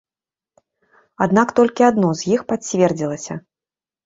Аднак толькі адно з іх пацвердзілася.